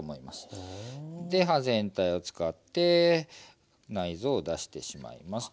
で刃全体を使って内臓を出してしまいます。